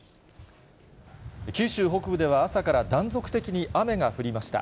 九州北部では、朝から断続的に雨が降りました。